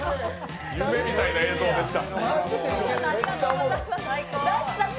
夢みたいな映像でした。